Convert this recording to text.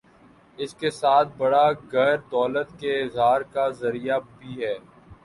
اس کے ساتھ بڑا گھر دولت کے اظہار کا ذریعہ بھی ہے۔